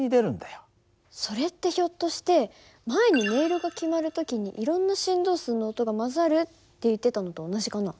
それってひょっとして前に音色が決まる時にいろんな振動数の音が混ざるって言ってたのと同じかな？